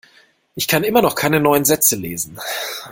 Ich kann immer noch keine neuen Sätze lesen.